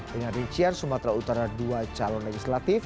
dengan rincian sumatera utara dua calon legislatif